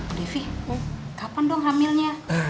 bu devi kapan dong hamilnya